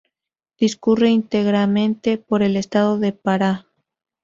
Discurre íntegramente por el estado de Pará.